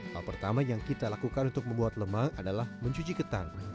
hal pertama yang kita lakukan untuk membuat lemak adalah mencuci ketan